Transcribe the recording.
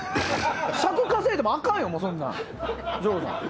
尺稼いでもあかんよ、省吾さん。